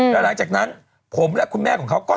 แล้วหลังจากนั้นผมและคุณแม่ของเขาก็